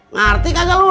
ngerti kagak lu